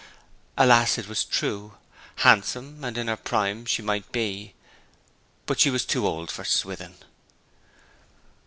Alas, it was true. Handsome, and in her prime, she might be; but she was too old for Swithin!